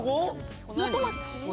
元町？